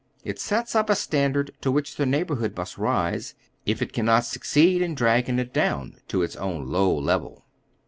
It sets up a standard to which the neighborhood must rise, if it cannot succeed in dragging it down to its own low level.